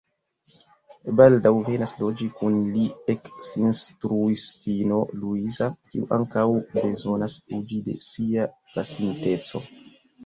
Baldaŭ venas loĝi kun li eksinstruistino Luiza, kiu ankaŭ bezonas fuĝi de sia pasinteco.